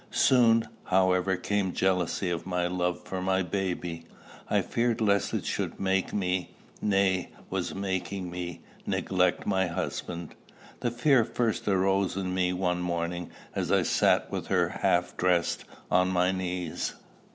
Soon, however, came jealousy of my love for my baby. I feared lest it should make me nay, was making me neglect my husband. The fear first arose in me one morning as I sat with her half dressed on my knees.